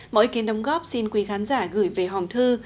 mọi ý kiến đóng góp xin quý khán giả gửi về hòm thư